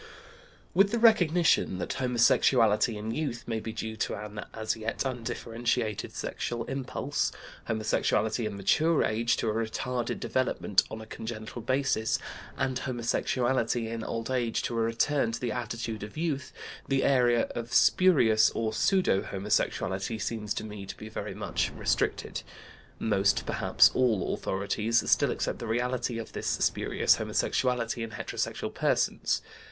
With the recognition that homosexuality in youth may be due to an as yet undifferentiated sexual impulse, homosexuality in mature age to a retarded development on a congenital basis, and homosexuality in sold age to a return to the attitude of youth, the area of spurious or "pseudo" homosexuality seems to me to be very much restricted. Most, perhaps all, authorities still accept the reality of this spurious homosexuality in heterosexual persons.